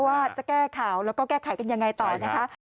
ว่าจะแก้ข่าวแล้วก็แก้ไขกันยังไงต่อนะคะ